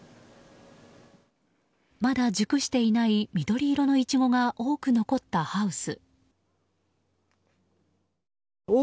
まだ熟していない緑色のイチゴが多く残ったハウス。